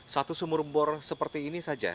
satu sumur bor seperti ini saja